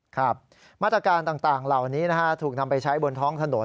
ครับมาตรการต่างเหล่านี้นะฮะถูกนำไปใช้บนท้องถนน